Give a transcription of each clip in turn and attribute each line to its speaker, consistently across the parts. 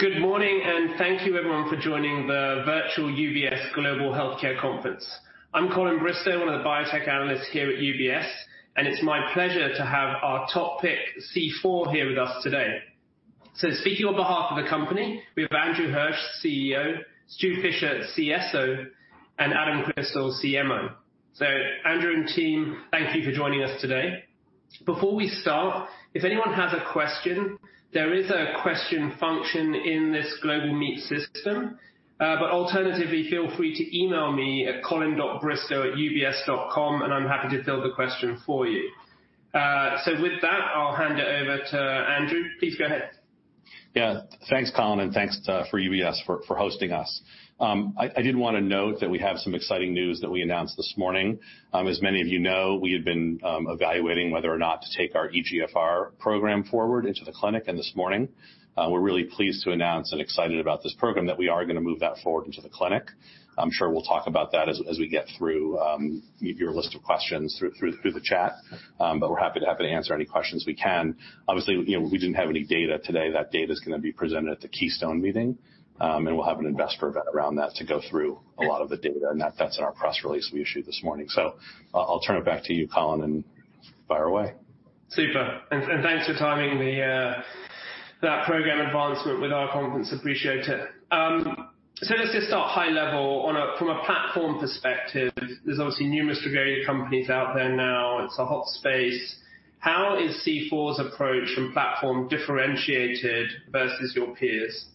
Speaker 1: Good morning, and thank you everyone for joining the UBS Global Healthcare Virtual conference. I'm Colin Bristow, the biotech analyst here at UBS, and it's my pleasure to have our top pick, C4, here with us today. Speaking on behalf of the company, we have Andrew Hirsch, CEO, Stu Fisher, CSO, and Adam Crystal, CMO. Andrew and team, thank you for joining us today. Before we start, if anyone has a question, there is a question function in this global meet system. Alternatively, feel free to email me at colin.bristow@ubs.com and I'm happy to field the question for you. With that, I'll hand it over to Andrew. Please go ahead.
Speaker 2: Thanks, Colin, and thanks for UBS for hosting us. I did want to note that we have some exciting news that we announced this morning. As many of you know, we have been evaluating whether or not to take our EGFR program forward into the clinic. This morning, we're really pleased to announce and excited about this program that we are going to move that forward into the clinic. I'm sure we'll talk about that as we get through your list of questions through the chat. We're happy to answer any questions we can. Obviously, we didn't have any data today. That data's going to be presented at the Keystone meeting. We'll have an investor event around that to go through a lot of the data. That's in our press release we issued this morning. I'll turn it back to you, Colin, and fire away.
Speaker 1: Super. Thanks for timing that program advancement with our conference. Appreciate it. Let's just start high level from a platform perspective, there's obviously numerous degrader companies out there now, it's a hot space. How is C4's approach and platform differentiated versus your peers?
Speaker 2: Yeah,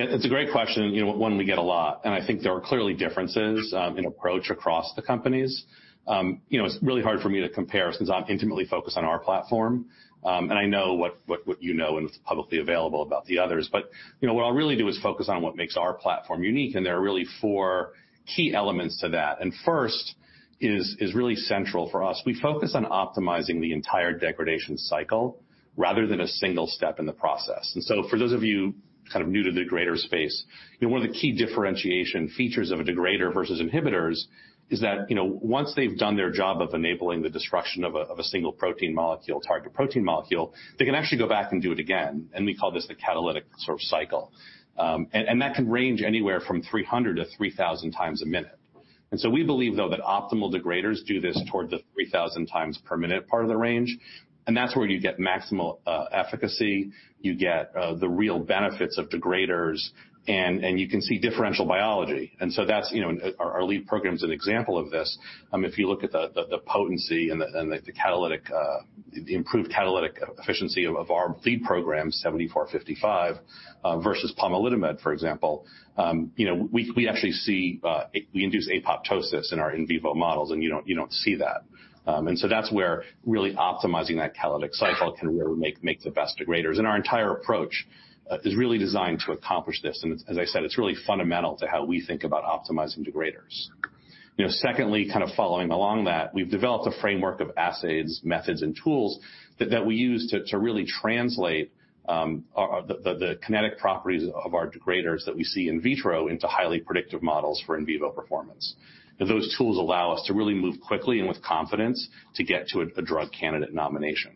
Speaker 2: it's a great question, one we get a lot. I think there are clearly differences in approach across the companies. It's really hard for me to compare since I'm intimately focused on our platform. I know what you know, and what's publicly available about the others. What I'll really do is focus on what makes our platform unique, and there are really four key elements to that. First is really central for us. We focus on optimizing the entire degradation cycle rather than a single step in the process. For those of you new to the degrader space, one of the key differentiation features of a degrader versus inhibitors is that, once they've done their job of enabling the destruction of a single protein molecule, target protein molecule, they can actually go back and do it again, and we call this the catalytic cycle. That can range anywhere from 300 to 3,000 times a minute. We believe, though, that optimal degraders do this toward the 3,000 times per minute part of the range, and that's where you get maximal efficacy, you get the real benefits of degraders, and you can see differential biology. Our lead program is an example of this. If you look at the potency and the improved catalytic efficiency of our V programs, CFT7455, versus pomalidomide, for example. We induce apoptosis in our in vivo models. You don't see that. That's where really optimizing that catalytic cycle can really make the best degraders. Our entire approach is really designed to accomplish this. As I said, it's really fundamental to how we think about optimizing degraders. Secondly, kind of following along that, we've developed a framework of assays, methods, and tools that we use to really translate the kinetic properties of our degraders that we see in vitro into highly predictive models for in vivo performance. Those tools allow us to really move quickly and with confidence to get to a drug candidate nomination.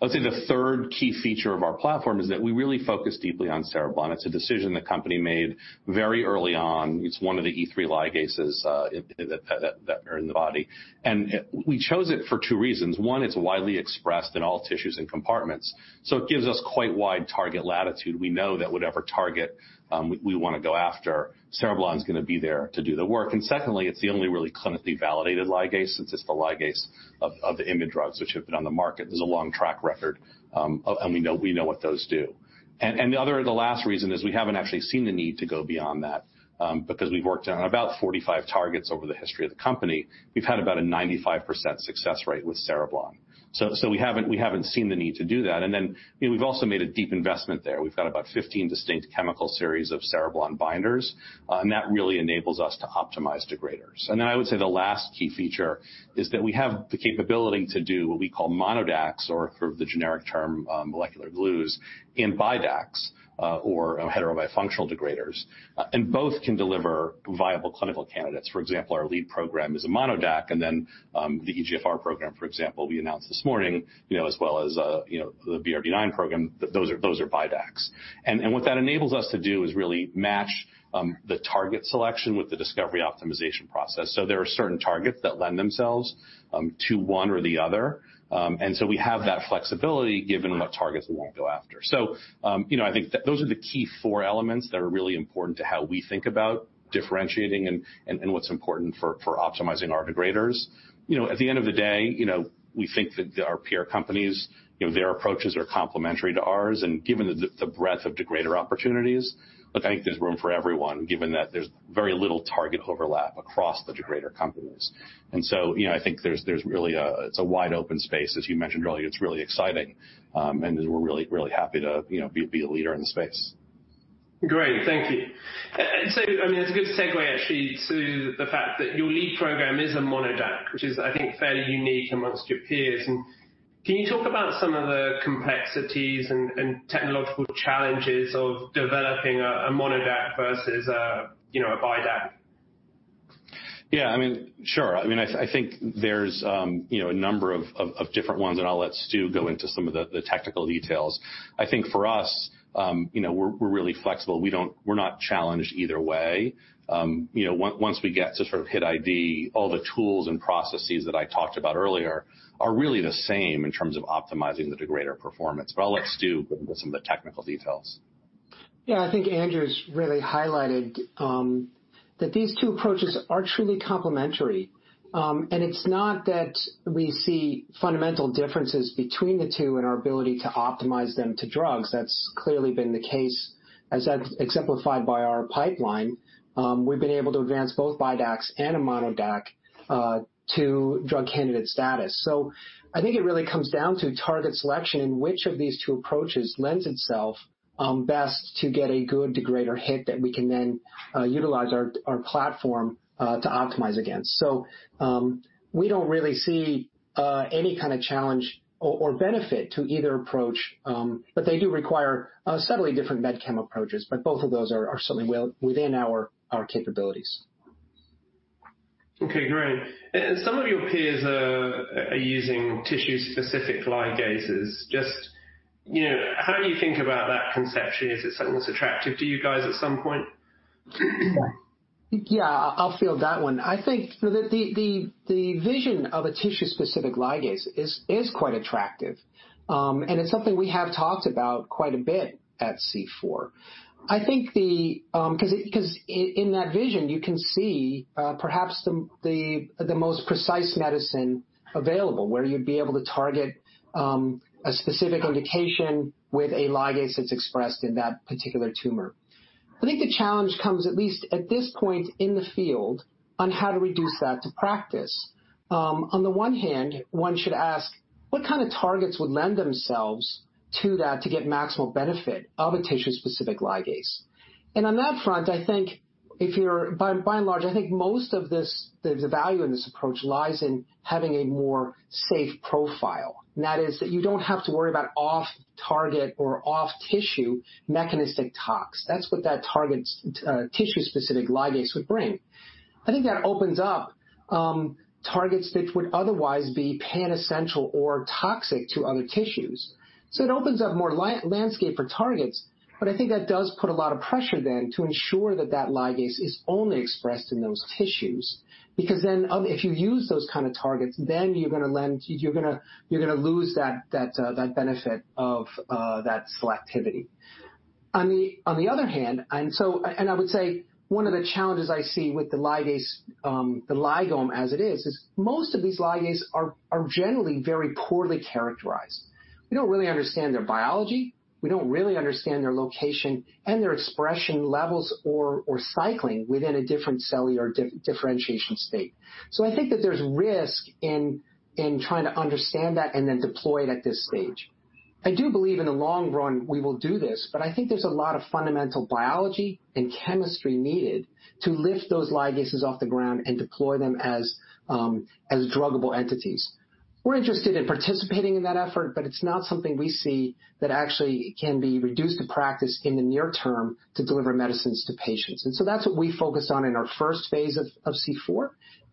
Speaker 2: I'd say the third key feature of our platform is that we really focus deeply on cereblon. It's a decision the company made very early on. It's one of the E3 ligases that are in the body. We chose it for two reasons. One, it's widely expressed in all tissues and compartments, so it gives us quite wide target latitude. We know that whatever target we want to go after, cereblon's going to be there to do the work. Secondly, it's the only really clinically validated ligase since it's the ligase of the IMiD drugs which have been on the market. There's a long track record, and we know what those do. The last reason is we haven't actually seen the need to go beyond that, because we've worked on about 45 targets over the history of the company. We've had about a 95% success rate with cereblon. We haven't seen the need to do that. We've also made a deep investment there. We've got about 15 distinct chemical series of cereblon binders. That really enables us to optimize degraders. I would say the last key feature is that we have the capability to do what we call MonoDACs or for the generic term, molecular glues in BiDACs or heterobifunctional degraders. Both can deliver viable clinical candidates. For example, our lead program is a MonoDAC. The EGFR program, for example, we announced this morning, as well as the BRD9 program, those are BiDACs. What that enables us to do is really match the target selection with the discovery optimization process. There are certain targets that lend themselves to one or the other. We have that flexibility given what targets we want to go after. I think those are the key four elements that are really important to how we think about differentiating and what's important for optimizing our degraders. At the end of the day, we think that our peer companies, their approaches are complementary to ours and given the breadth of degrader opportunities, I think there's room for everyone given that there's very little target overlap across the degrader companies. I think it's a wide-open space as you mentioned earlier, it's really exciting, and we're really happy to be a leader in the space.
Speaker 1: Great. Thank you. It's a good segue actually to the fact that your lead program is a MonoDAC, which is I think fairly unique amongst your peers. Can you talk about some of the complexities and technological challenges of developing a MonoDAC versus a BiDAC?
Speaker 2: Yeah, sure. I think there's a number of different ones, and I'll let Stu go into some of the technical details. I think for us, we're really flexible. We're not challenged either way. Once we get to sort of hit ID, all the tools and processes that I talked about earlier are really the same in terms of optimizing the degrader performance. I'll let Stu go into some of the technical details.
Speaker 3: Yeah, I think Andrew's really highlighted that these two approaches are truly complementary. It's not that we see fundamental differences between the two in our ability to optimize them to drugs. That's clearly been the case as exemplified by our pipeline. We've been able to advance both BiDACs and a MonoDAC to drug candidate status. I think it really comes down to target selection and which of these two approaches lends itself best to get a good degrader hit that we can then utilize our platform to optimize against. We don't really see any kind of challenge or benefit to either approach, but they do require subtly different medicinal chemistry approaches, but both of those are certainly within our capabilities.
Speaker 1: Okay, great. Some of your peers are using tissue-specific ligases. Just how do you think about that conception? Is it something that's attractive to you guys at some point?
Speaker 3: Yeah, I'll field that one. I think the vision of a tissue-specific ligase is quite attractive, and it's something we have talked about quite a bit at C4. In that vision, you can see perhaps the most precise medicine available, where you'd be able to target a specific indication with a ligase that's expressed in that particular tumor. I think the challenge comes, at least at this point in the field, on how do we do that to practice. On the one hand, one should ask what kind of targets would lend themselves to that to get maximal benefit of a tissue-specific ligase. On that front, by and large, I think most of the value in this approach lies in having a more safe profile, and that is that you don't have to worry about off-target or off-tissue mechanistic tox. That's what that tissue-specific ligase would bring. I think that opens up targets which would otherwise be pan-essential or toxic to other tissues. It opens up more landscape for targets, but I think that does put a lot of pressure then to ensure that that ligase is only expressed in those tissues. If you use those kind of targets, then you're going to lose that benefit of that selectivity. On the other hand, I would say one of the challenges I see with the ligase, the ligome as it is most of these ligases are generally very poorly characterized. We don't really understand their biology. We don't really understand their location and their expression levels or cycling within a different cellular differentiation state. I think that there's risk in trying to understand that and then deploy it at this stage. I do believe in the long run we will do this, but I think there's a lot of fundamental biology and chemistry needed to lift those ligases off the ground and deploy them as druggable entities. We're interested in participating in that effort, but it's not something we see that actually can be reduced to practice in the near term to deliver medicines to patients. That's what we focus on in our first phase of C4.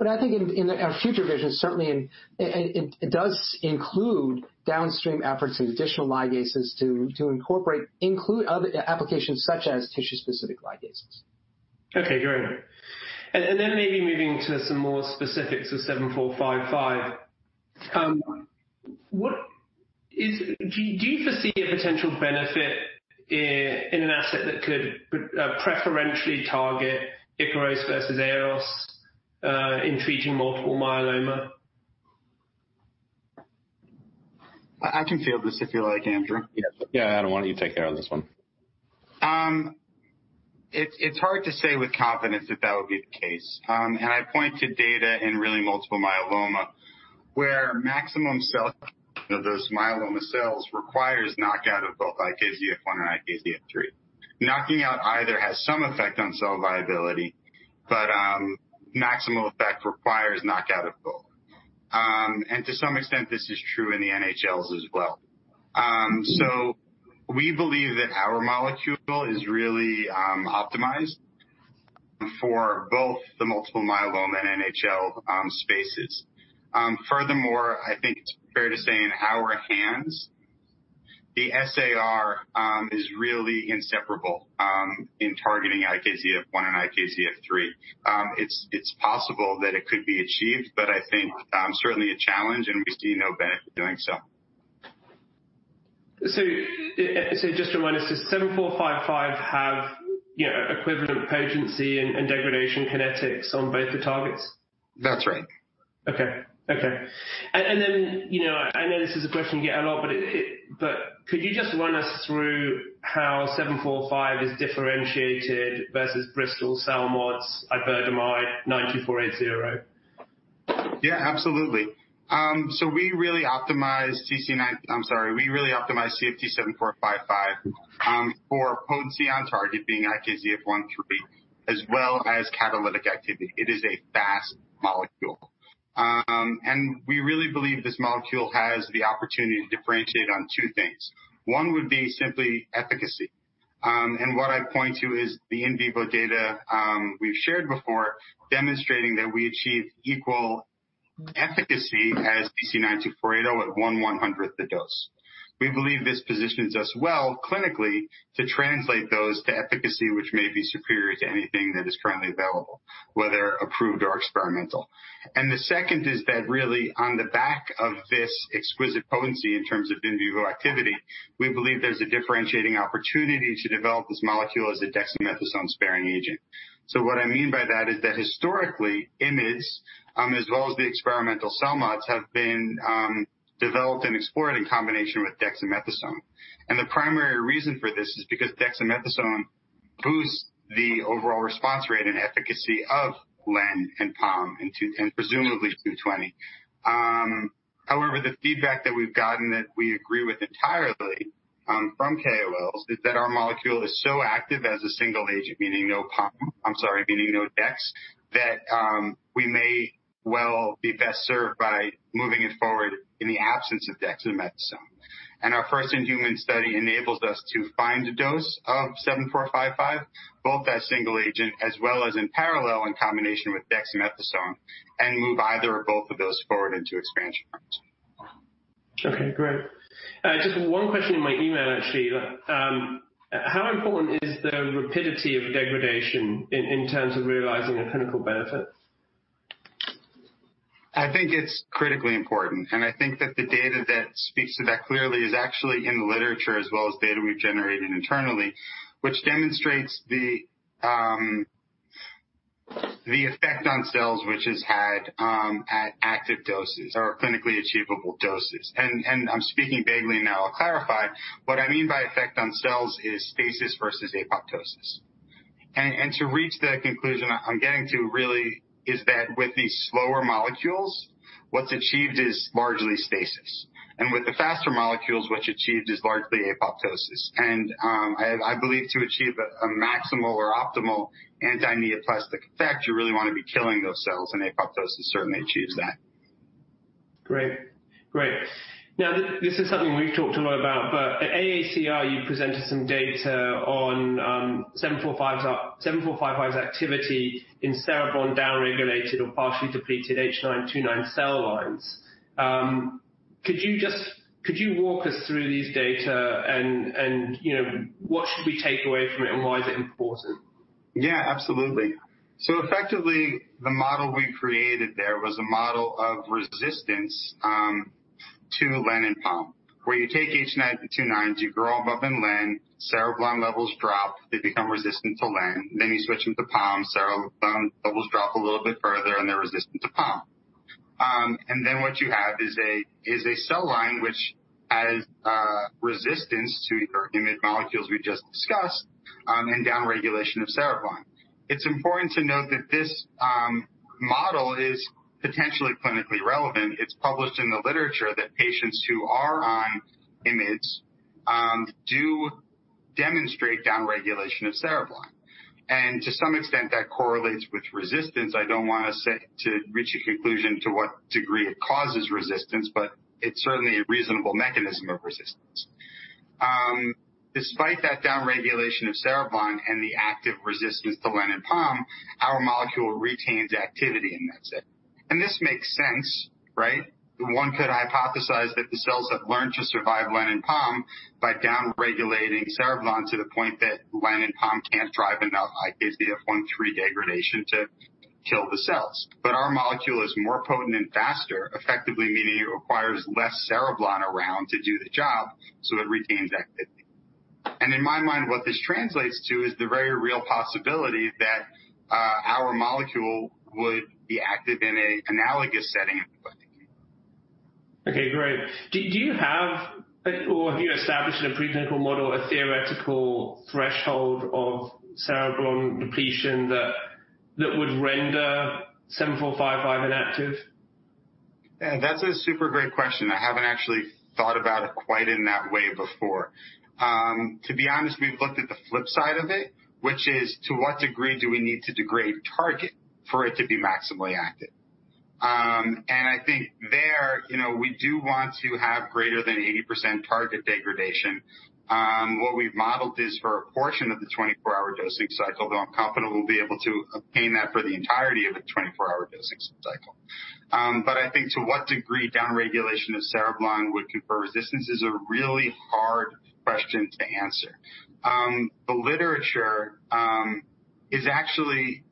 Speaker 3: I think in our future vision, certainly it does include downstream efforts and additional ligases to incorporate, include other applications such as tissue-specific ligases.
Speaker 1: Okay, great. Maybe moving to some more specifics of CFT7455, do you foresee a potential benefit in an asset that could preferentially target Ikaros versus Aiolos, in treating multiple myeloma?
Speaker 3: I can field this if you like, Andrew.
Speaker 2: Yeah. Why don't you take care of this one?
Speaker 3: It's hard to say with confidence that would be the case. I point to data in really multiple myeloma where maximum cell of those myeloma cells requires knockout of both IKZF1 and IKZF3. Knocking out either has some effect on cell viability, but maximal effect requires knockout of both. To some extent, this is true in the NHLs as well. We believe that our molecule is really optimized for both the multiple myeloma and NHL spaces. Furthermore, I think it's fair to say in our hands, the SAR is really inseparable in targeting IKZF1 and IKZF3. It's possible that it could be achieved, but I think certainly a challenge, and we see no benefit in doing so.
Speaker 1: Just to run us through, CFT7455 have equivalent potency and degradation kinetics on both the targets?
Speaker 3: That's right.
Speaker 1: Okay. I know this is a question you get a lot, could you just run us through how 745 is differentiated versus Bristol's, CELMoDs, iberdomide, 92480?
Speaker 3: Yeah, absolutely. We really optimized CFT7455 for potency on targeting IKZF1 through three, as well as catalytic activity. It is a fast molecule.
Speaker 4: We really believe this molecule has the opportunity to differentiate on two things. One would be simply efficacy. What I'd point to is the in vivo data we've shared before demonstrating that we achieve equal efficacy as CC-92480 at one one-hundredth the dose. We believe this positions us well clinically to translate those to efficacy which may be superior to anything that is currently available, whether approved or experimental. The second is that really on the back of this exquisite potency in terms of in vivo activity, we believe there's a differentiating opportunity to develop this molecule as a Dexamethasone-sparing agent. What I mean by that is that historically, IMiDs, as well as the experimental CELMoDs, have been developed and explored in combination with Dexamethasone. The primary reason for this is because Dexamethasone boosts the overall response rate and efficacy of Len and Pom and presumably 220. However, the feedback that we've gotten that we agree with entirely from KOLs is that our molecule is so active as a single agent, meaning no Pom, I'm sorry, meaning no Dex, that we may well be best served by moving it forward in the absence of Dexamethasone. Our first-in-human study enables us to find a dose of seven four five five, both as single agent as well as in parallel in combination with Dexamethasone, and move either or both of those forward into expansion parts.
Speaker 1: Okay, great. Just one question in my email, actually. How important is the rapidity of degradation in terms of realizing a clinical benefit?
Speaker 4: I think it's critically important, and I think that the data that speaks to that clearly is actually in the literature as well as data we've generated internally, which demonstrates the effect on cells which is had at active doses or clinically achievable doses. I'm speaking vaguely now, I'll clarify. What I mean by effect on cells is stasis versus apoptosis. To reach the conclusion I'm getting to really is that with these slower molecules, what's achieved is largely stasis. With the faster molecules, what's achieved is largely apoptosis. I believe to achieve a maximal or optimal anti-neoplastic effect, you really want to be killing those cells, and apoptosis certainly achieves that.
Speaker 1: Great. This is something we've talked a lot about, but at AACR, you presented some data on CFT7455's activity in Cereblon downregulated or partially depleted H929 cell lines. Could you walk us through these data and what should we take away from it and why is it important?
Speaker 4: Yeah, absolutely. Effectively, the model we created there was a model of resistance to lenalidomide and pomalidomide, where you take H929s, you grow them up in lenalidomide, Cereblon levels drop, they become resistant to lenalidomide. You switch them to pomalidomide, Cereblon levels drop a little bit further, and they're resistant to pomalidomide. What you have is a cell line which has resistance to either IMiD molecules we just discussed and downregulation of Cereblon. It's important to note that this model is potentially clinically relevant. It's published in the literature that patients who are on IMiDs do demonstrate downregulation of Cereblon. To some extent, that correlates with resistance. I don't want to reach a conclusion to what degree it causes resistance, but it's certainly a reasonable mechanism of resistance. Despite that downregulation of Cereblon and the active resistance to lenalidomide and pomalidomide, our molecule retains activity in that setting. This makes sense, right? One could hypothesize that the cells have learned to survive lenalidomide and pomalidomide by downregulating Cereblon to the point that lenalidomide and pomalidomide can't drive enough IKZF3 degradation to kill the cells. Our molecule is more potent and faster, effectively meaning it requires less Cereblon around to do the job, so it retains activity. In my mind, what this translates to is the very real possibility that our molecule would be active in an analogous setting in a blood cancer.
Speaker 1: Okay, great. Do you have, or have you established a preclinical model, a theoretical threshold of Cereblon depletion that would render seven four five five inactive?
Speaker 4: That's a super great question. I haven't actually thought about it quite in that way before. To be honest, we've looked at the flip side of it, which is to what degree do we need to degrade target for it to be maximally active. I think there, we do want to have greater than 80% target degradation. What we've modeled is for a portion of the 24-hour dosing cycle, though I'm confident we'll be able to obtain that for the entirety of a 24-hour dosing cycle. I think to what degree downregulation of Cereblon would confer resistance is a really hard question to answer. The literature is actually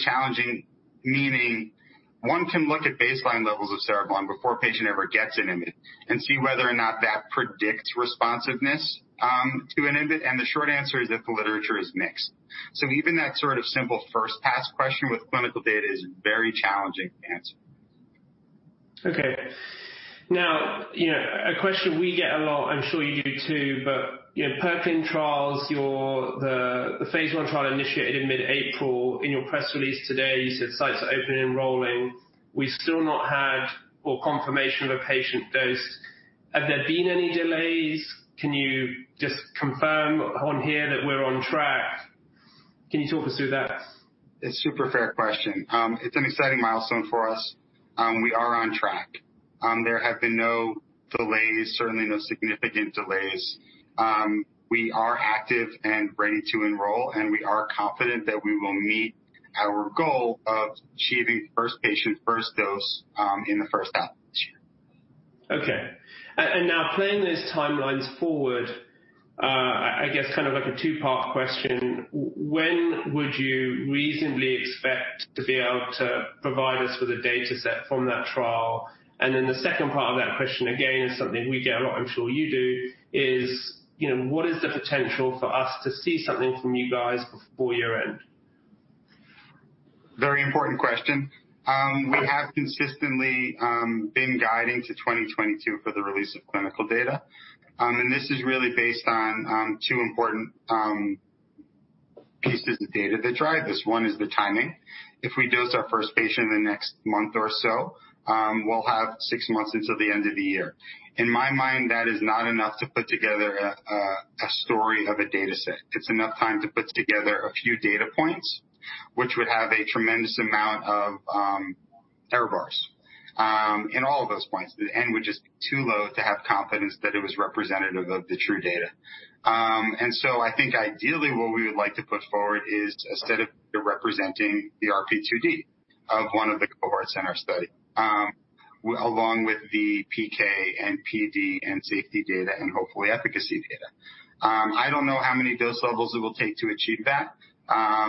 Speaker 4: challenging, meaning one can look at baseline levels of Cereblon before a patient ever gets an IMiD and see whether or not that predicts responsiveness to an IMiD. The short answer is that the literature is mixed. Even that sort of simple first pass question with clinical data is very challenging to answer.
Speaker 1: Okay. A question we get a lot, I'm sure you do too, but in PERKIN trials, the phase I trial initiated in mid-April. In your press release today, you said sites are open enrolling. We still not had or confirmation of a patient dose. Have there been any delays? Can you just confirm on here that we're on track? Can you talk us through that?
Speaker 4: It's super fair question. It's an exciting milestone for us. We are on track. There have been no delays, certainly no significant delays. We are active and ready to enroll, and we are confident that we will meet our goal of achieving first patient first dose, in the first half of this year.
Speaker 1: Okay. Now playing those timelines forward, I guess kind of like a two-part question. When would you reasonably expect to be able to provide us with a data set from that trial? The second part of that question, again, is something we get a lot, I'm sure you do, is what is the potential for us to see something from you guys before year-end?
Speaker 4: Very important question. We have consistently been guiding to 2022 for the release of clinical data. This is really based on two important pieces of data that drive this. One is the timing. If we dose our first patient in the next month or so, we'll have six months until the end of the year. In my mind, that is not enough to put together a story of a dataset. It's enough time to put together a few data points, which would have a tremendous amount of error bars, in all of those points. The N would just be too low to have confidence that it was representative of the true data. I think ideally what we would like to put forward is a set of data representing the RP2D of one of the cohorts in our study, along with the PK and PD and safety data and hopefully efficacy data. I don't know how many dose levels it will take to achieve that. I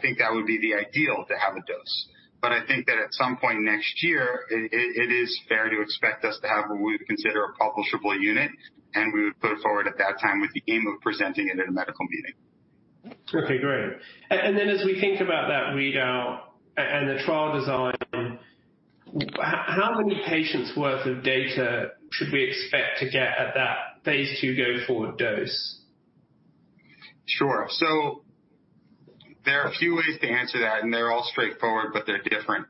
Speaker 4: think that would be the ideal to have a dose. I think that at some point next year, it is fair to expect us to have what we would consider a publishable unit, and we would put it forward at that time with the aim of presenting it at a medical meeting.
Speaker 1: Okay, great. As we think about that readout and the trial design, how many patients worth of data should we expect to get at that phase II go-forward dose?
Speaker 4: Sure. There are a few ways to answer that, and they're all straightforward, but they're different.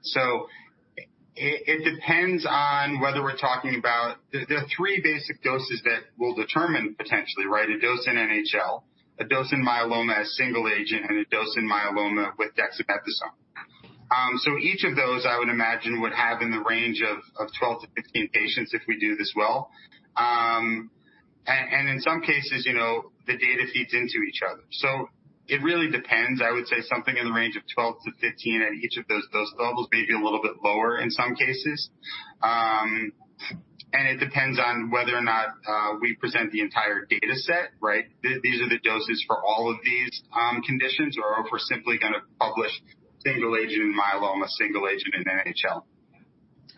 Speaker 4: It depends on whether we're talking about. There are three basic doses that will determine potentially, right. A dose in NHL, a dose in myeloma as single agent, and a dose in myeloma with Dexamethasone. Each of those, I would imagine, would have in the range of 12 to 15 patients if we do this well. In some cases, the data feeds into each other. It really depends. I would say something in the range of 12 to 15 at each of those dose levels, maybe a little bit lower in some cases. It depends on whether or not we present the entire data set. These are the doses for all of these conditions or if we're simply going to publish single agent in myeloma, single agent in NHL.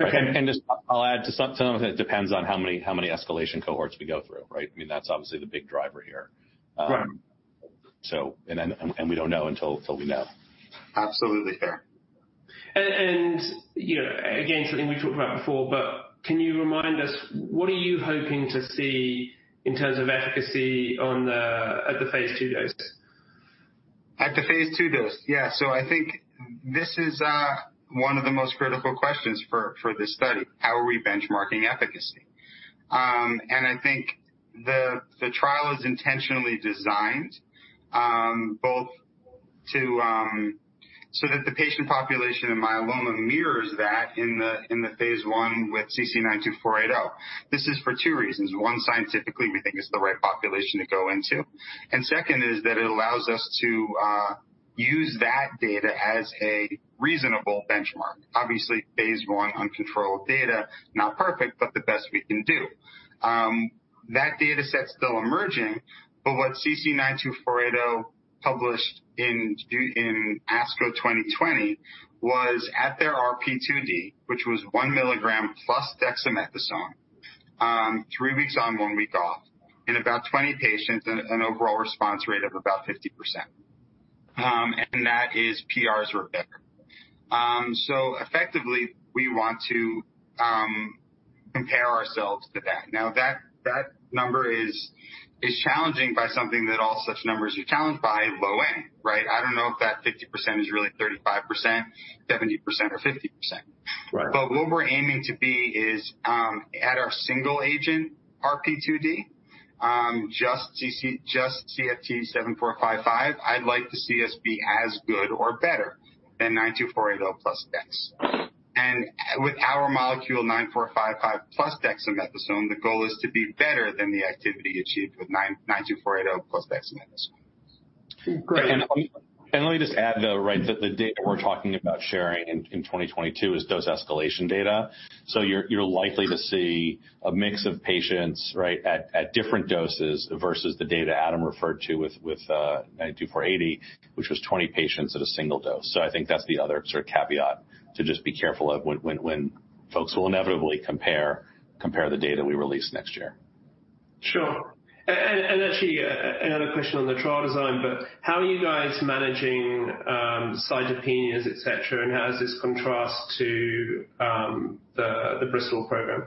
Speaker 1: Okay.
Speaker 2: Just I'll add to some of it depends on how many escalation cohorts we go through, right? I mean, that's obviously the big driver here.
Speaker 4: Right.
Speaker 2: We don't know until we know.
Speaker 4: Absolutely fair.
Speaker 1: Again, something we've talked about before, but can you remind us what are you hoping to see in terms of efficacy at the phase II dose?
Speaker 4: At the phase II dose? Yeah. I think this is one of the most critical questions for this study. How are we benchmarking efficacy? I think the trial is intentionally designed, so that the patient population in myeloma mirrors that in the phase I with CC-92480. This is for two reasons. One, scientifically, we think it's the right population to go into. Second is that it allows us to use that data as a reasonable benchmark. Obviously, phase I uncontrolled data, not perfect, but the best we can do. That data set's still emerging, but what CC-92480 published in ASCO 2020 was at their RP2D, which was one milligram plus Dexamethasone, three weeks on, one week off in about 20 patients and an overall response rate of about 50%. That is PRs or better. Effectively, we want to compare ourselves to that. Now, that number is challenging by something that all such numbers are challenged by, low N, right? I don't know if that 50% is really 35%, 70%, or 50%.
Speaker 2: Right.
Speaker 4: What we're aiming to be is at our single agent RP2D, just CFT7455, I'd like to see us be as good or better than 92480 plus Dex. With our molecule 7455 plus Dexamethasone, the goal is to be better than the activity achieved with 92480 plus Dexamethasone.
Speaker 1: Great.
Speaker 2: Let me just add, though, that the data we're talking about sharing in 2022 is dose escalation data. You're likely to see a mix of patients at different doses versus the data Adam referred to with 92480, which was 20 patients at a single dose. I think that's the other sort of caveat to just be careful of when folks will inevitably compare the data we release next year.
Speaker 1: Sure. Actually, another question on the trial design, but how are you guys managing Cytopenias, et cetera, and how does this contrast to the Bristol program?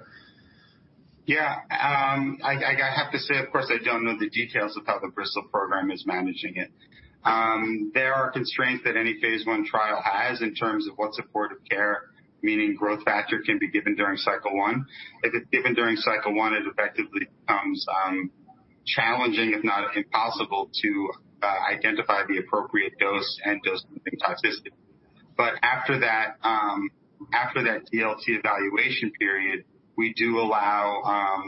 Speaker 4: Yeah. I have to say, of course, I don't know the details of how the Bristol program is managing it. There are constraints that any phase I trial has in terms of what supportive care, meaning growth factor, can be given during cycle 1. If it's given during cycle 1, it effectively becomes challenging, if not impossible, to identify the appropriate dose and dose-limiting toxicity. After that DLT evaluation period, we do allow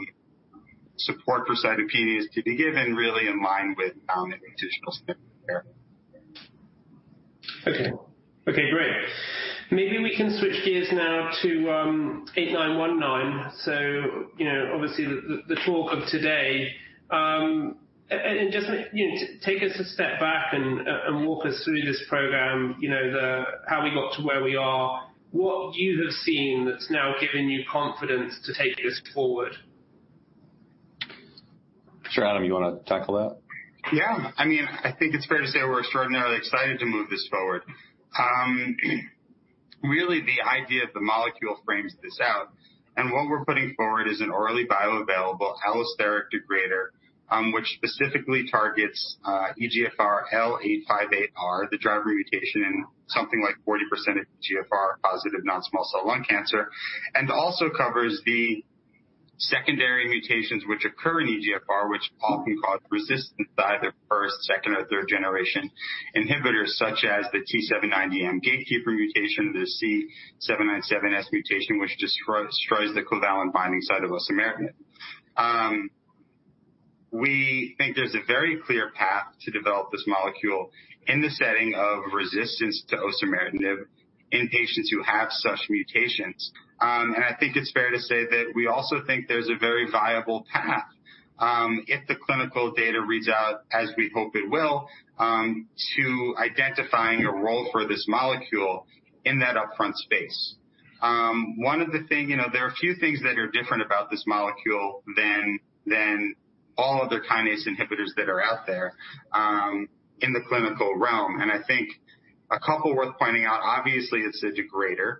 Speaker 4: support for Cytopenias to be given really in line with additional standard care.
Speaker 1: Okay, great. Maybe we can switch gears now to CFT8919, obviously the talk of today. Just take us a step back and walk us through this program, how we got to where we are, what you have seen that's now given you confidence to take this forward.
Speaker 2: Stewart, do you want to tackle that?
Speaker 4: Yeah. I think it's fair to say we're extraordinarily excited to move this forward. Really, the idea of the molecule frames this out, and what we're putting forward is an orally bioavailable allosteric degrader, which specifically targets EGFR L858R, the driver mutation in something like 40% of EGFR positive non-small cell lung cancer, and also covers the secondary mutations which occur in EGFR, which often cause resistance by the first, second, or third-generation inhibitors, such as the T790M gatekeeper mutation or the C797S mutation, which destroys the covalent binding site of Osimertinib. We think there's a very clear path to develop this molecule in the setting of resistance to Osimertinib in patients who have such mutations. I think it's fair to say that we also think there's a very viable path if the clinical data reads out as we hope it will, to identifying a role for this molecule in that upfront space. There are a few things that are different about this molecule than all other kinase inhibitors that are out there in the clinical realm, and I think a couple worth pointing out, obviously, it's a degrader.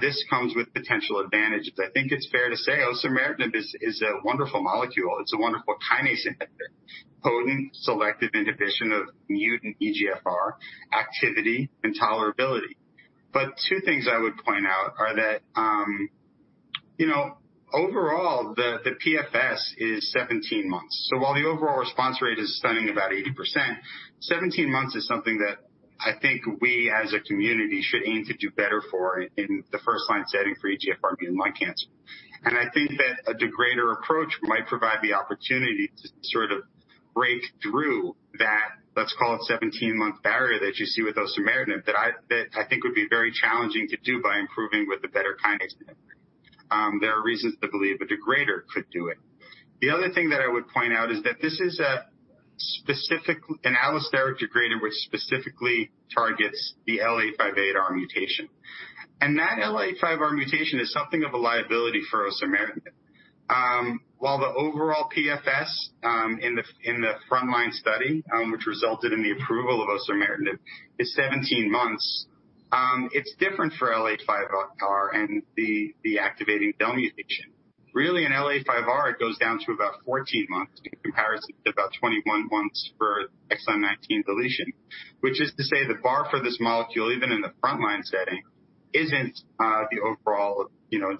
Speaker 4: This comes with potential advantages. I think it's fair to say osimertinib is a wonderful molecule. It's a wonderful kinase inhibitor, potent, selective inhibition of mutant EGFR activity and tolerability. Two things I would point out are that overall, the PFS is 17 months. While the overall response rate is sitting about 80%, 17 months is something that I think we as a community should aim to do better for in the first-line setting for EGFR mutant lung cancer. I think that a degrader approach might provide the opportunity to sort of break through that, let's call it 17-month barrier that you see with Osimertinib, that I think would be very challenging to do by improving with a better kinase inhibitor. There are reasons to believe a degrader could do it. The other thing that I would point out is that this is an allosteric degrader which specifically targets the L858R mutation. That L858R mutation is something of a liability for Osimertinib. While the overall PFS in the frontline study, which resulted in the approval of Osimertinib, is 17 months, it's different for L858R and the activating Del19 mutation. Really, in L858R, it goes down to about 14 months in comparison to about 21 months for exon 19 deletion. Which is to say the bar for this molecule, even in the front-line setting, isn't the overall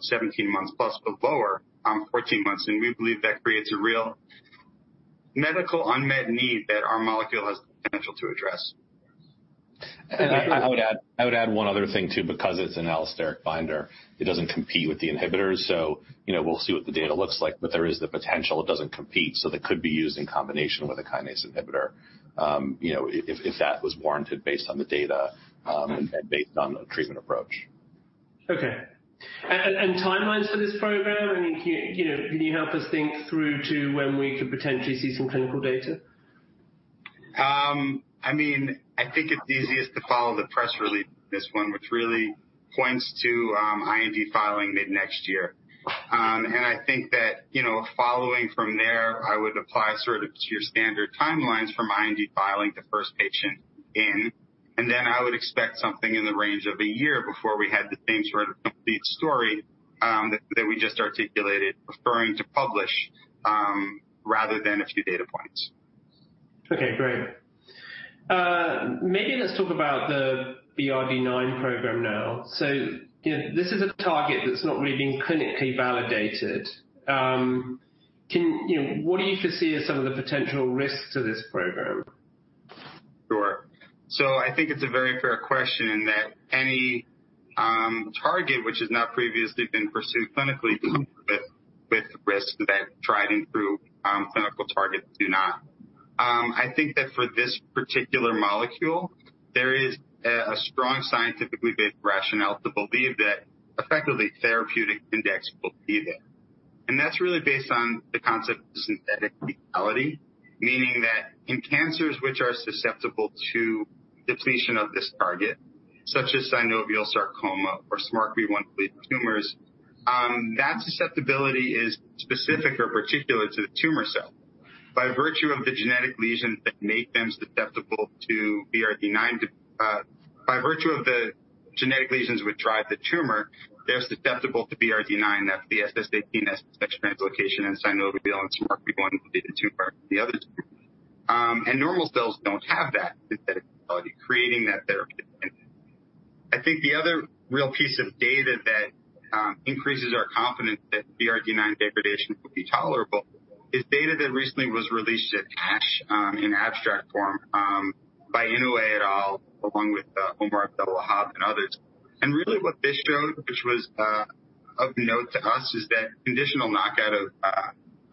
Speaker 4: 17 months plus, but lower, 14 months, and we believe that creates a real medical unmet need that our molecule has potential to address.
Speaker 2: I would add one other thing, too, because it's an allosteric binder, it doesn't compete with the inhibitors. We'll see what the data looks like. There is the potential. It doesn't compete, so they could be used in combination with a kinase inhibitor if that was warranted based on the data and based on the treatment approach.
Speaker 1: Okay. Timelines for this program? Can you help us think through to when we could potentially see some clinical data?
Speaker 4: I think it's easiest to follow the press release on this one, which really points to IND filing mid-next year. I think that following from there, I would apply sort of to your standard timelines from IND filing the first patient in, then I would expect something in the range of a year before we had the things for a complete story that we just articulated referring to publish rather than a few data points.
Speaker 1: Okay, great. Maybe let's talk about the BRD9 program now. This is a target that's not really been clinically validated. What do you foresee are some of the potential risks to this program?
Speaker 4: Sure. I think it's a very fair question in that any target which has not previously been pursued clinically comes with risks that tried and true clinical targets do not. I think that for this particular molecule, there is a strong scientifically based rationale to believe that effectively therapeutic index will be there. That's really based on the concept of synthetic lethality, meaning that in cancers which are susceptible to depletion of this target, such as synovial sarcoma or SMARCA4-mutant tumors, that susceptibility is specific or particular to the tumor cell by virtue of the genetic lesions which drive the tumor, they're susceptible to BRD9, FUS-SS18 translocation in synovial sarcoma if you want deletion two part for the other two. Normal cells don't have that dependency, creating that therapeutic window. I think the other real piece of data that increases our confidence that BRD9 degradation would be tolerable is data that recently was released at ASH in abstract form by Inouye et al, along with Omar Abdel-Wahab and others. Really what this showed, which was of note to us, is that conditional knockout of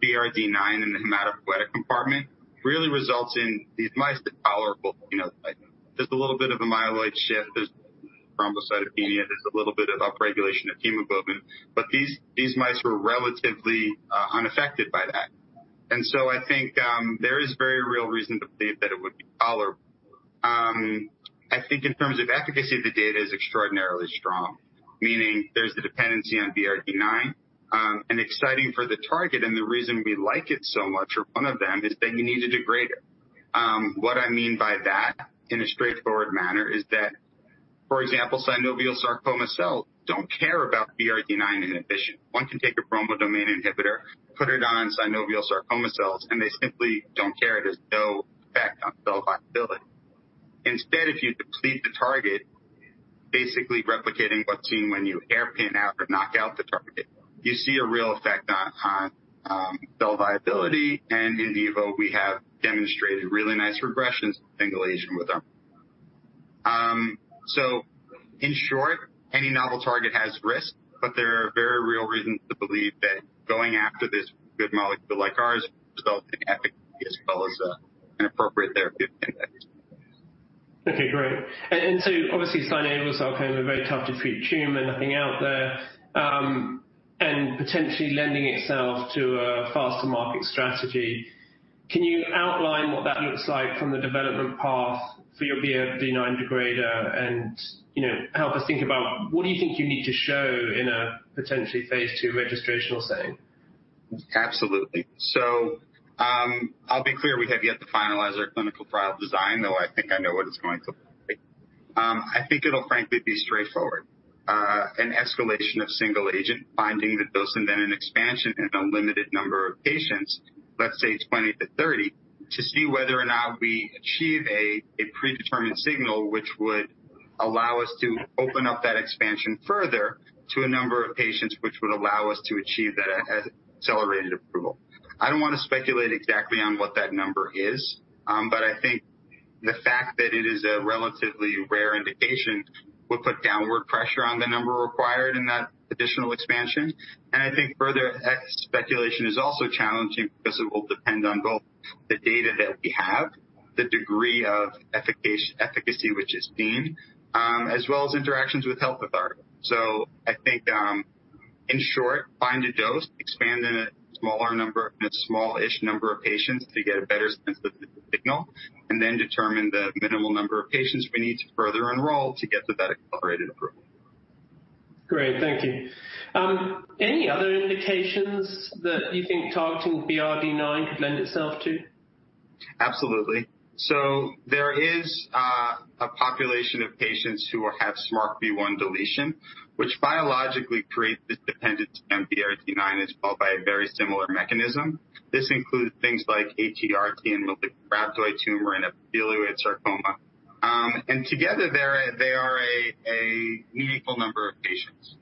Speaker 4: BRD9 in the hematopoietic compartment really results in these mice that are tolerable. There's a little bit of a myeloid shift. There's thrombocytopenia. There's a little bit of upregulation of chemokine, these mice were relatively unaffected by that. I think there is very real reason to believe that it would be tolerable. I think in terms of efficacy, the data is extraordinarily strong, meaning there's a dependency on BRD9, and exciting for the target, and the reason we like it so much, or one of them, is that you need to degrade it. What I mean by that, in a straightforward manner, is that, for example, synovial sarcoma cells don't care about BRD9 inhibition. One can take a bromodomain inhibitor, put it on synovial sarcoma cells, and they simply don't care. There's no effect on cell viability. Instead, if you deplete the target, basically replicating what's seen when you hairpin out or knock out the target, you see a real effect on cell viability, and in vivo we have demonstrated really nice regressions with single agent with our molecule. In short, any novel target has risks, but there are very real reasons to believe that going after this with a molecule like ours will result in efficacy as well as an appropriate therapeutic index.
Speaker 1: Okay, great. Obviously, synovial sarcoma is a very tough to treat tumor, nothing out there, and potentially lending itself to a faster market strategy. Can you outline what that looks like from the development path for your BRD9 degrader and help us think about what do you think you need to show in a potentially phase II registrational setting?
Speaker 4: Absolutely. I'll be clear, we have yet to finalize our clinical trial design, though I think I know what it's going to look like. I think it'll frankly be straightforward. An escalation of single agent finding the dose and then an expansion in a limited number of patients, let's say 20-30, to see whether or not we achieve a predetermined signal which would allow us to open up that expansion further to a number of patients which would allow us to achieve that accelerated approval. I don't want to speculate exactly on what that number is, but I think the fact that it is a relatively rare indication will put downward pressure on the number required in that additional expansion. I think further speculation is also challenging because it will depend on both the data that we have, the degree of efficacy which is deemed, as well as interactions with health authorities. I think, in short, find a dose, expand in a smallish number of patients to get a better sense of the signal, and then determine the minimal number of patients we need to further enroll to get to that accelerated approval.
Speaker 1: Great, thank you. Any other indications that you think targeting BRD9 could lend itself to?
Speaker 4: There is a population of patients who have SMARCB1 deletion, which biologically creates this dependence on BRD9 as well by a very similar mechanism. This includes things like ATRT and rhabdoid tumor and epithelioid sarcoma. Together, they are a meaningful number of patients.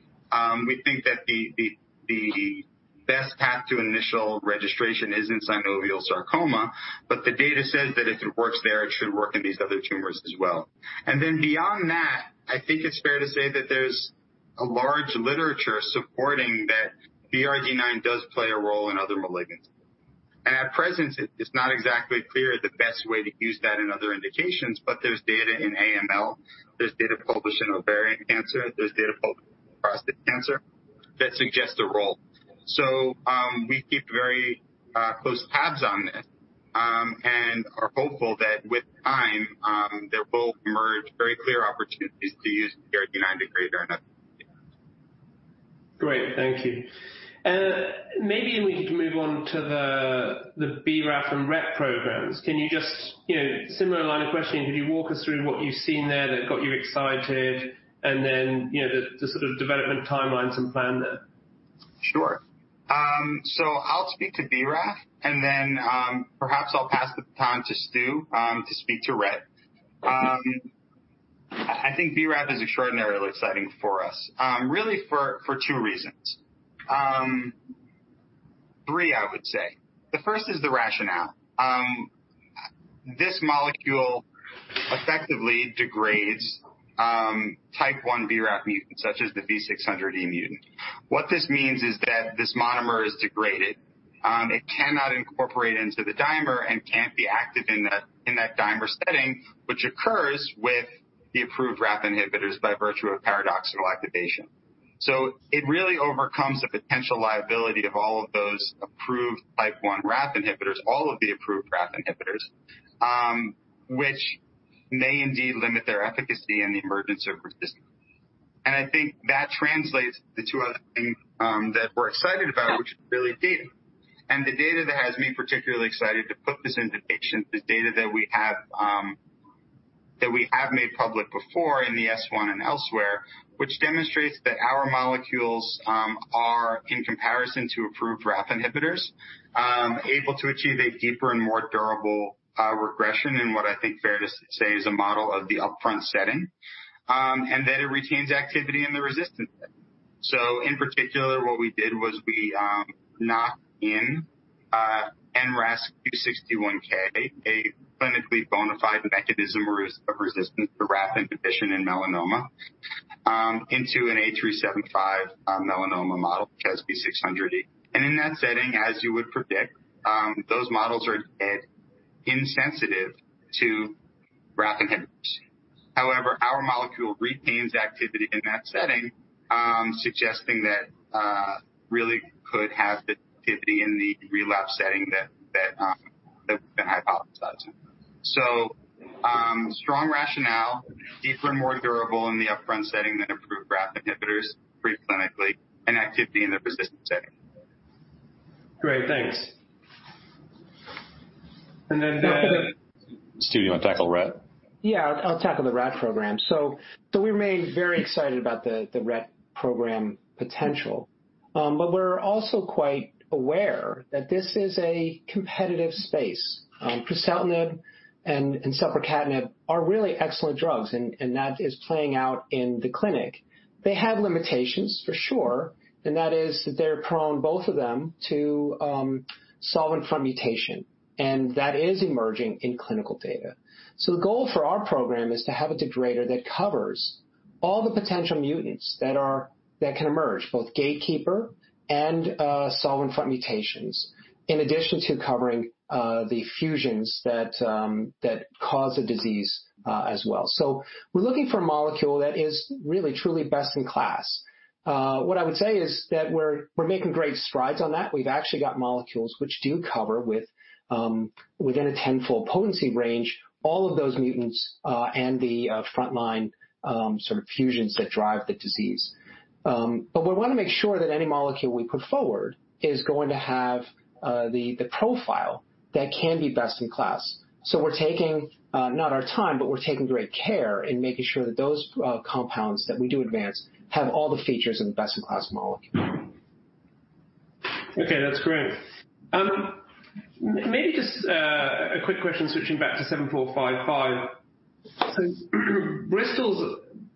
Speaker 4: We think that the best path to initial registration is in synovial sarcoma, but the data says that if it works there, it should work in these other tumors as well. Then beyond that, I think it's fair to say that there's a large literature supporting that BRD9 does play a role in other malignancies. At present, it's not exactly clear the best way to use that in other indications, but there's data in AML, there's data published in ovarian cancer, there's data published in prostate cancer that suggests a role. We keep very close tabs on this and are hopeful that with time, there will emerge very clear opportunities to use BRD9 degrader in other indications.
Speaker 1: Great, thank you. Maybe we need to move on to the BRAF and RET programs. Similar line of questioning. Can you walk us through what you've seen there that got you excited and then the development timelines and plan there?
Speaker 4: Sure. I'll speak to BRAF, and then perhaps I'll pass the baton to Stu to speak to RET. I think BRAF is extraordinarily exciting for us, really for two reasons. Three, I would say. The first is the rationale. This molecule effectively degrades type 1 BRAF mutants, such as the V600E mutant. What this means is that this monomer is degraded. It cannot incorporate into the dimer and can't be active in that dimer setting, which occurs with the approved RAF inhibitors by virtue of paradoxical activation. It really overcomes the potential liability of all of the approved type 1 RAF inhibitors, which may indeed limit their efficacy and the emergence of resistance. I think that translates to two other things that we're excited about, which is really deep. The data that has me particularly excited to put this into patients is data that we have made public before in the S1 and elsewhere, which demonstrates that our molecules are, in comparison to approved RAF inhibitors, able to achieve a deeper and more durable regression in what I think fair to say is a model of the upfront setting, and that it retains activity in the resistant setting. In particular, what we did was we knocked in NRAS Q61K, a clinically bona fide mechanism of resistance to RAF inhibition in melanoma, into an A375 melanoma model, BRAF V600E. In that setting, as you would predict, those models are dead insensitive to RAF inhibitors. Our molecule retains activity in that setting, suggesting that it really could have the activity in the relapse setting that we've been hypothesizing. Strong rationale, deeper and more durable in the upfront setting than approved RAF inhibitors, pre-clinically, and activity in the resistant setting.
Speaker 1: Great. Thanks.
Speaker 2: Stu, you want to tackle RET?
Speaker 3: Yeah, I'll tackle the RET program. We remain very excited about the RET program potential. We're also quite aware that this is a competitive space. Pralsetinib and selpercatinib are really excellent drugs, and that is playing out in the clinic. They have limitations for sure, and that is that they're prone, both of them, to solvent front mutation, and that is emerging in clinical data. The goal for our program is to have a degrader that covers all the potential mutants that can emerge, both gatekeeper and solvent front mutations, in addition to covering the fusions that cause the disease as well. We're looking for a molecule that is really truly best in class. What I would say is that we're making great strides on that. We've actually got molecules which do cover within a tenfold potency range, all of those mutants and the frontline sort of fusions that drive the disease. We want to make sure that any molecule we put forward is going to have the profile that can be best-in-class. We're taking, not our time, but we're taking great care in making sure that those compounds that we do advance have all the features of a best-in-class molecule.
Speaker 1: Okay, that's great. Maybe just a quick question, switching back to CFT7455. Because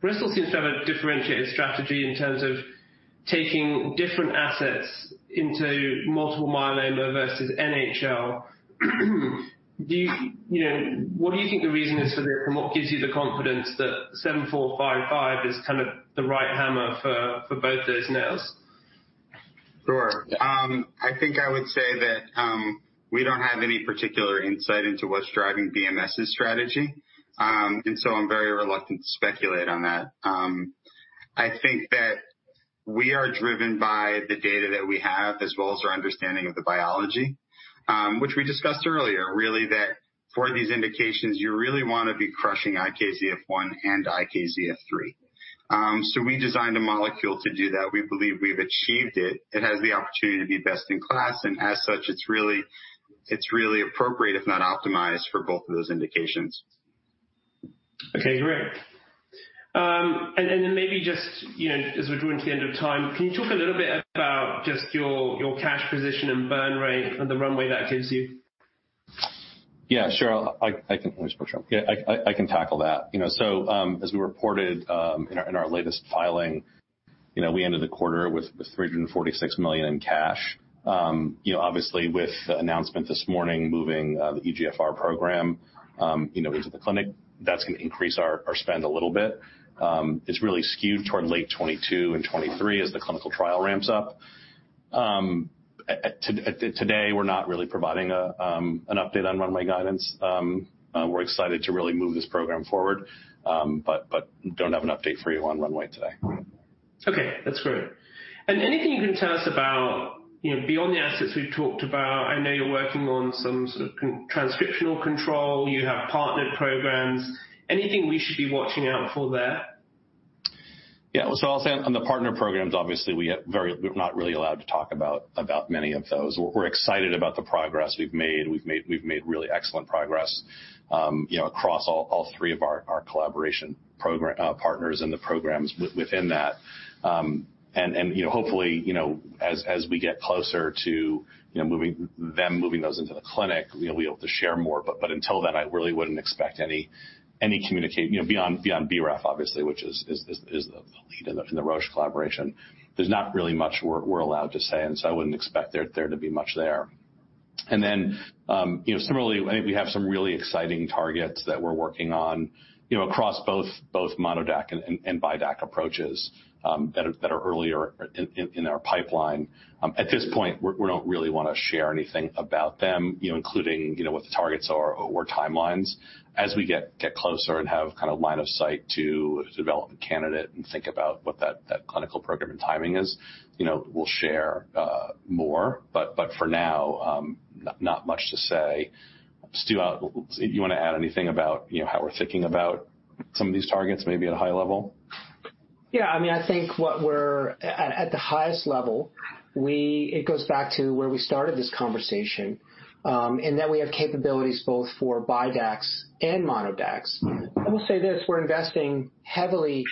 Speaker 1: Bristol's instead of differentiate strategy in terms of taking different assets into multiple myeloma versus NHL. What gives you the confidence that CFT7455 is the right hammer for both those nails?
Speaker 4: Sure. I think I would say that we don't have any particular insight into what's driving BMS's strategy. I'm very reluctant to speculate on that. I think that we are driven by the data that we have as well as our understanding of the biology, which we discussed earlier, really that for these indications, you really want to be crushing IKZF1 and IKZF3. We designed a molecule to do that. We believe we've achieved it. It has the opportunity to be best in class, and as such, it's really appropriate, if not optimized, for both of those indications.
Speaker 1: Okay, great. Then maybe just, as we're drawing to the end of time, can you talk a little bit about just your cash position and burn rate and the runway that gives you?
Speaker 2: Yeah, sure. I can tackle that. As we reported in our latest filing, we ended the quarter with $346 million in cash. Obviously, with the announcement this morning moving the EGFR program into the clinic, that's going to increase our spend a little bit. It's really skewed toward late 2022 and 2023 as the clinical trial ramps up. Today, we're not really providing an update on runway guidance. We're excited to really move this program forward, we don't have an update for you on runway today.
Speaker 1: Okay, that's great. Anything you can tell us about beyond the assets we've talked about, I know you're working on some sort of transcriptional control, you have partnered programs. Anything we should be watching out for there?
Speaker 2: Yeah. I'll say on the partner programs, obviously, we're not really allowed to talk about many of those. We're excited about the progress we've made. We've made really excellent progress across all three of our collaboration partners in the programs within that. Hopefully, as we get closer to them moving those into the clinic, we'll be able to share more, but until then, I really wouldn't expect any communication beyond BRAF, obviously, which is the Roche collaboration. There's not really much we're allowed to say, and so I wouldn't expect there to be much there. Similarly, we have some really exciting targets that we're working on across both MonoDAC and BiDAC approaches that are earlier in our pipeline. At this point, we don't really want to share anything about them, including what the targets are or timelines. As we get closer and have kind of line of sight to develop a candidate and think about what that. Clinical program timing is, we'll share more. For now, not much to say. Stu, you want to add anything about how we're thinking about some of these targets, maybe at a high level?
Speaker 3: I think at the highest level, it goes back to where we started this conversation, that we have capabilities both for BiDACs and MonoDACs. I will say this, we're investing heavily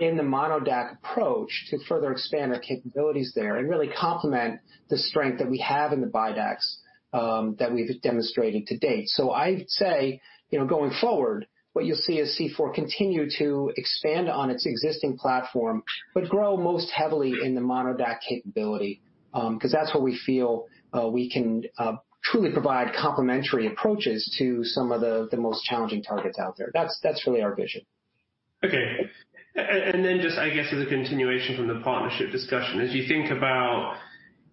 Speaker 3: in the MonoDAC approach to further expand our capabilities there and really complement the strength that we have in the BiDACs that we've demonstrated to date. I'd say, going forward, what you'll see is C4 continue to expand on its existing platform, but grow most heavily in the MonoDAC capability. That's where we feel we can truly provide complementary approaches to some of the most challenging targets out there. That's really our vision.
Speaker 1: Okay. Then just, I guess, as a continuation from the partnership discussion, as you think about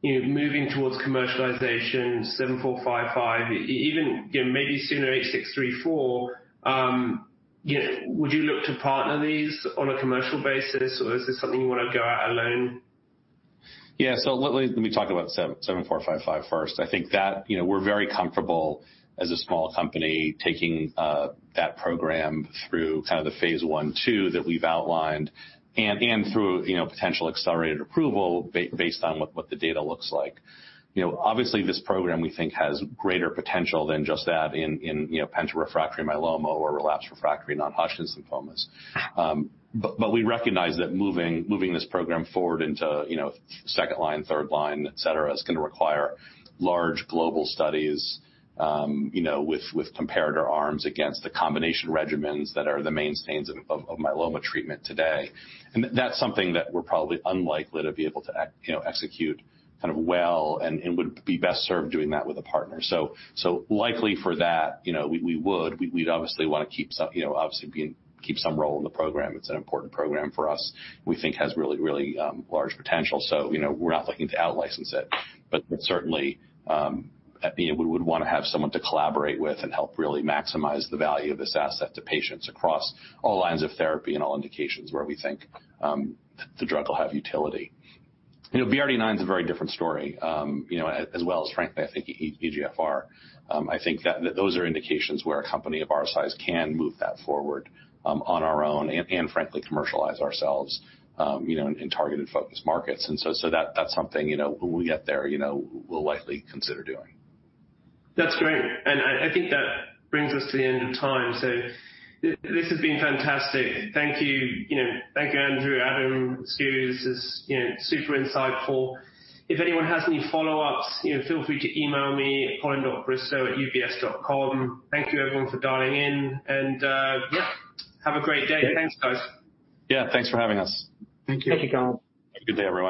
Speaker 1: moving towards commercialization CFT7455, even maybe sooner CFT8634, would you look to partner these on a commercial basis, or is this something you want to go at alone?
Speaker 2: Let me talk about CFT7455 first. I think that we're very comfortable as a small company taking that program through the phase I/II that we've outlined and through potential accelerated approval based on what the data looks like. Obviously, this program we think has greater potential than just that in penta-refractory myeloma or relapsed refractory non-Hodgkin's lymphoma. We recognize that moving this program forward into 2nd line, 3rd line, et cetera, is going to require large global studies, with comparator arms against the combination regimens that are the mainstays of myeloma treatment today. That's something that we're probably unlikely to be able to execute well, and it would be best served doing that with a partner. Likely for that, we would. We'd obviously want to keep some role in the program. It's an important program for us. We think has really large potential. We're not looking to out-license it. Certainly, we would want to have someone to collaborate with and help really maximize the value of this asset to patients across all lines of therapy and all indications where we think the drug will have utility. BRD9 is a very different story, as well as frankly, I think EGFR. I think that those are indications where a company of our size can move that forward on our own and frankly, commercialize ourselves, in targeted focus markets. That's something, when we get there, we'll likely consider doing.
Speaker 1: That's great. I think that brings us to the end of time. This has been fantastic. Thank you. Thank you, Andrew, Adam, Stu. This is super insightful. If anyone has any follow-ups, feel free to email me at colin.bristow@ubs.com. Thank you everyone for dialing in and have a great day. Thanks, guys.
Speaker 2: Yeah, thanks for having us.
Speaker 3: Thank you.
Speaker 2: Have a good day, everyone.